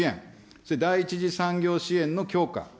それで第一次産業支援の強化。